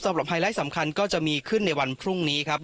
ไฮไลท์สำคัญก็จะมีขึ้นในวันพรุ่งนี้ครับ